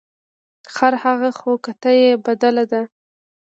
ـ خرهغه خو کته یې بدله ده .